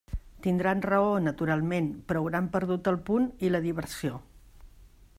Tindran raó, naturalment, però hauran perdut el punt, i la diversió.